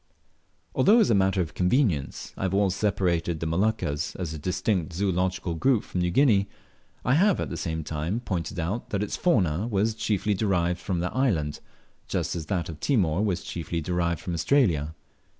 Although as a matter of convenience I have always separated the Moluccas as a distinct zoological group from New Guinea, I have at the same time pointed out that its fauna was chiefly derived from that island, just as that of Timor was chiefly derived from Australia.